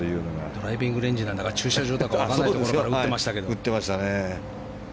ドライビングレンジなんだか駐車場なんだか分からないところから打ってましたけど。